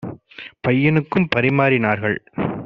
பைய னுக்கும் பரிமாறி னார்கள்.